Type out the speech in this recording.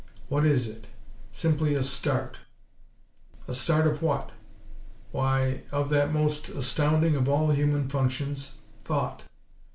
What is it? Simply a start. A start of what? Why, of that most astounding of all human functions; thought.